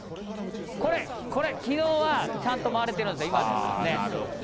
これ、これ、きのうはちゃんと回れてるんですよ、今のやつですね。